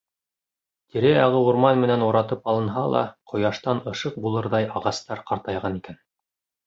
Тирә-яғы урман менән уратып алынһа ла, ҡояштан ышыҡ булырҙай ағастар ҡартайған икән.